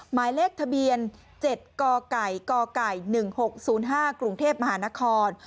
หมายเลขทะเบียน๗กก๑๖๐๕กรุงเทพมหานคร